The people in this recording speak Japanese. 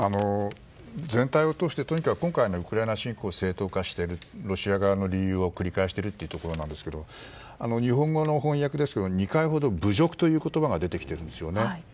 全体を通して今回のウクライナ侵攻を正当化しているロシア側の理由を繰り返しているというところなんですが日本語の翻訳ですと２回ほど、侮辱という言葉が出てきているんですね。